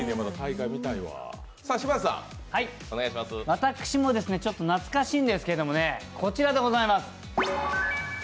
私も懐かしいんですけれども、こちらでございます。